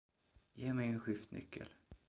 Ge mig en skiftnyckel